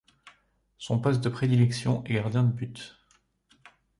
Son poste de prédilection est gardien de but.